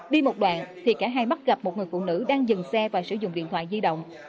đi một đoạn thì cả hai bắt gặp một người phụ nữ đang dừng xe và sử dụng điện thoại di động